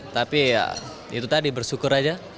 tapi ya itu tadi bersyukur aja